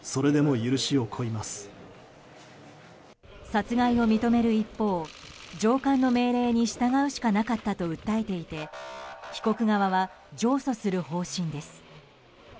殺害を認める一方上官の命令に従うしかなかったと訴えていて被告側は上訴する方針です。